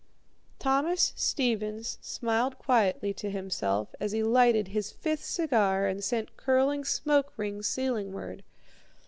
'" Thomas Stevens smiled quietly to himself as he lighted his fifth cigar and sent curling smoke rings ceilingward.